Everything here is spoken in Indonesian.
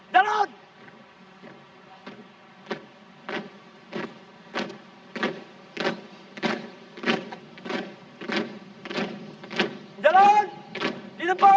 kembali ke tempat